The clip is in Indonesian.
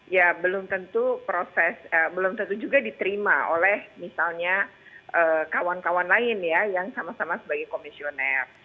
ya belum tentu proses belum tentu juga diterima oleh misalnya kawan kawan lain ya yang sama sama sebagai komisioner